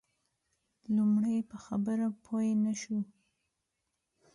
لومړی په خبره پوی نه شو.